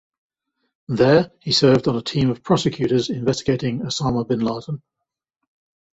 There, he served on a team of prosecutors investigating Osama bin Laden.